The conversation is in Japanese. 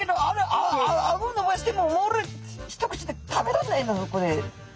ああごのばしても一口で食べられないんだぞこれ」。